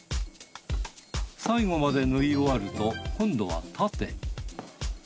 最後まで縫い終わると今度は縦。